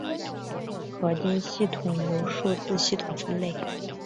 合金系统由数字系统分类。